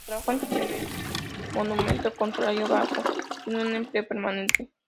Trabajó en un primer momento con salario bajo, sin un empleo permanente.